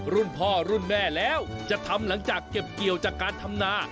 รุ่นพ่อรุ่นแม่แล้วจะทำหลังจากเก็บเกี่ยวจากการทำนา